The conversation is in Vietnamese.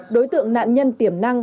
đối tượng nạn nhân tiềm năng